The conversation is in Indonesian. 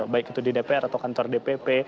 baik itu di dpr atau kantor dpp